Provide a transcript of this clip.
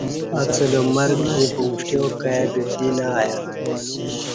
اڅلہ مرگ ییں پمݜٹیا کائی ببدی ییں نہ آیہ